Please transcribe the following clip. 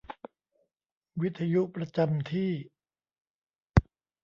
วิทยุประจำที่